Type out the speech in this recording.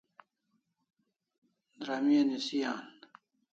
Dramia nisi an